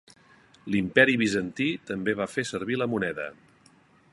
L'Imperi Bizantí també va fer servir la moneda.